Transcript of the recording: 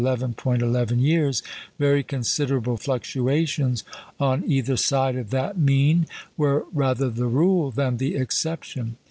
11 years, very considerable fluctuations on either side of that mean were rather the rule than the exception.